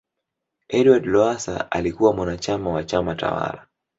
edward Lowasa alikuwa mwanachama wa chama tawala